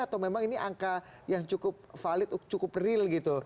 atau memang ini angka yang cukup valid cukup real gitu